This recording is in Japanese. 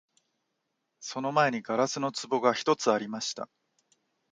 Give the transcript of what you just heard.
その前に硝子の壺が一つありました